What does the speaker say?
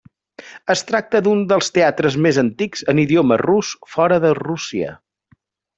Es tracta d'un dels teatres més antics en idioma rus fora de Rússia.